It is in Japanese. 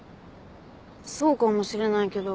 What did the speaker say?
そうかもしれないけど。